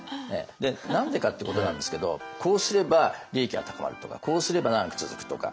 何でかってことなんですけどこうすれば利益は高まるとかこうすれば長く続くとか。